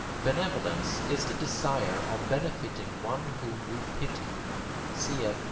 Benevolence is the desire of benefiting one whom we pity. Cf.